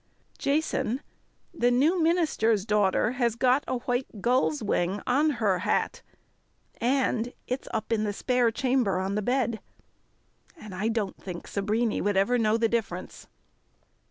"Jason, the new minister's daughter has got a white gull's wing on her hat, and it's up in the spare chamber on the bed, and I don't think Sabriny would ever know the difference."